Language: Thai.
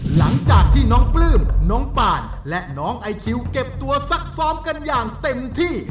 หลังจากที่น้องปลื้มน้องปานและน้องไอคิวเก็บตัวซักซ้อมกันอย่างเต็มที่